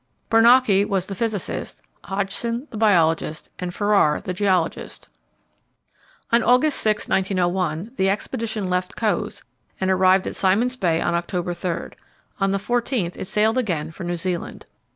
Bernacchi was the physicist, Hodgson the biologist, and Ferrar the geologist. On August 6, 1901, the expedition left Cowes, and arrived at Simon's Bay on October 3. On the 14th it sailed again for New Zealand.